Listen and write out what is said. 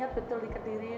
sampai tua pun kalau mas anas